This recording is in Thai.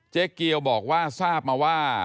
เจ๊เกียวบอกว่าทราบมาว่า